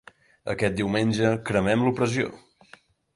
Aquest diumenge, cremem l'opressió!